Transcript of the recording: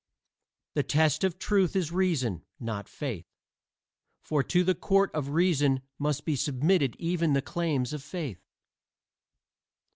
The test of truth is Reason, not Faith; for to the court of Reason must be submitted even the claims of Faith.